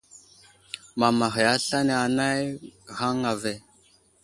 Mamaghay aslane anay ghaŋŋa ve.